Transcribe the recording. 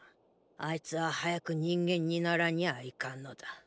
あいつは早く人間にならにゃいかんのだ。